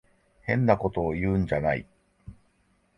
変なことを言うんじゃない。